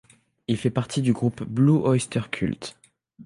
Il fait partie du groupe Blue Öyster Cult.